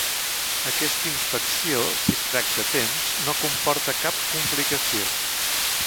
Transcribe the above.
Aquesta infecció si es tracta a temps no comporta cap complicació.